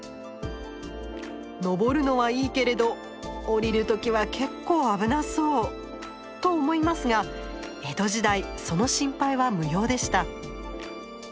のぼるのはいいけれど下りる時は結構危なそうと思いますが江戸時代その心配は無用でした。